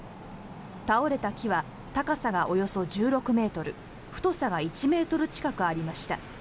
倒れた木は高さがおよそ１６ｍ太さが１ｍ近くありました。